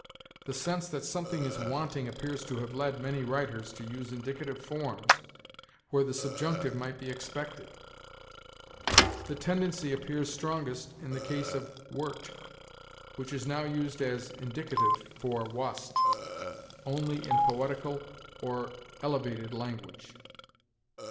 The sense that something is wanting appears to have led many writers to use indicative forms where the subjunctive might be expected. The tendency appears strongest in the case of 'wert,' which is now used as indicative (for 'wast') only in poetical or elevated language.